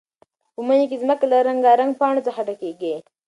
په مني کې ځمکه له رنګارنګ پاڼو څخه ډکېږي.